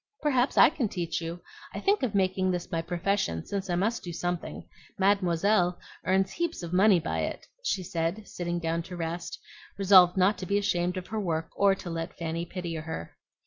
"Perhaps I can teach you. I think of making this my profession since I must do something. Mademoiselle earns heaps of money by it," she said, sitting down to rest, resolved not to be ashamed of her work or to let Fanny pity her.